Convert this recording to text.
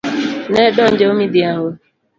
Na donjo midhiambo.